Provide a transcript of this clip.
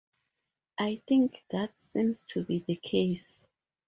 I think that seems to be the case.